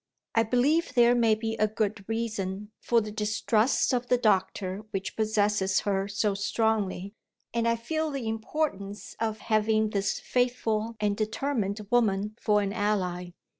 I believe there may be a good reason for the distrust of the doctor which possesses her so strongly; and I feel the importance of having this faithful and determined woman for an ally.